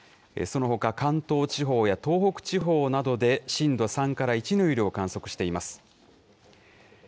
そのほか、関東地方や東北地方などで、震度３から１の揺れを観測しています。